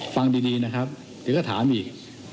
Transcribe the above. ฟังดีนะครับเดี๋ยวก็ถามอีก